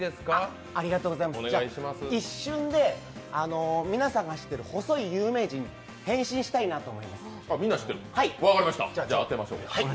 一瞬で皆さんが知ってる細い有名人に変身したいなと。